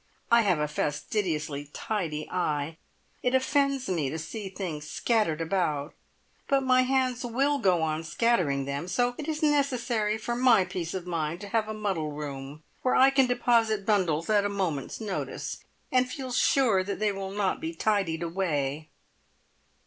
I have a fastidiously tidy eye. It offends me to see things scattered about, but my hands will go on scattering them, so it is necessary for my peace of mind to have a muddle room where I can deposit bundles at a moment's notice, and feel sure that they will not be tidied away.